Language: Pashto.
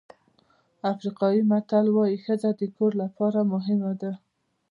افریقایي متل وایي ښځه د کور لپاره مهمه ده.